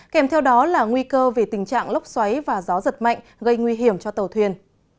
kèm theo đó là nguy cơ về tình trạng lốc xoáy và gió giật mạnh gây nguy hiểm cho tàu thuyền